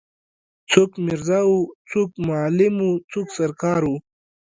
څوک میرزا وو څوک معلم وو څوک سر کار وو.